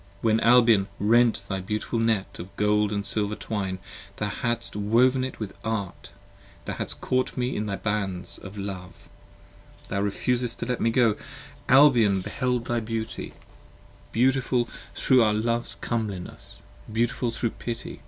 30 When Albion rent thy beautiful net of gold and silver twine, Thou hadst woven it with art, thou hadst caught me in the bands Of love: thou refusedst to let me go: Albion beheld thy beauty, 21 Beautiful thro' our Love's comeliness, beautiful thro' pity.